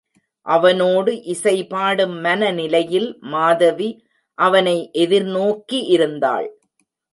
அவனோடு இசை பாடும் மனநிலையில் மாதவி அவனை எதிர் நோக்கி இருந்தாள்.